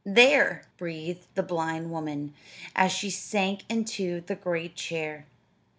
"There!" breathed the blind woman, as she sank into the great chair.